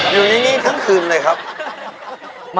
อย่านึกเลย